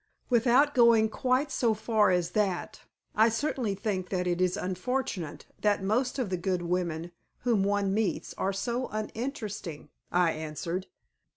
"Without going quite so far as that, I certainly think that it is unfortunate that most of the good women whom one meets are so uninteresting," I answered.